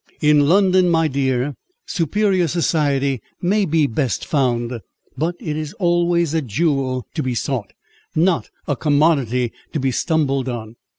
"In London, my dear, superior society may be best found; but it is always a jewel to be sought—not a commodity to be stumbled on.